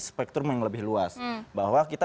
spektrum yang lebih luas bahwa kita